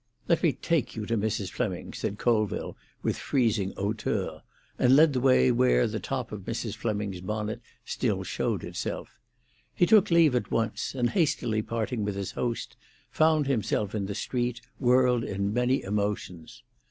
"Let me take you to Mrs. Fleming," said Colville, with freezing hauteur; and led the way where the top of Mrs. Fleming's bonnet still showed itself. He took leave at once, and hastily parting with his host, found himself in the street, whirled in many emotions.